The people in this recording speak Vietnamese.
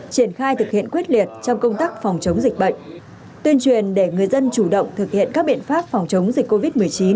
triển khai thực hiện quyết liệt trong công tác phòng chống dịch bệnh tuyên truyền để người dân chủ động thực hiện các biện pháp phòng chống dịch covid một mươi chín